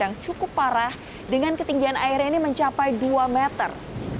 yang cukup parah dengan ketinggian airnya ini mencapai dua meter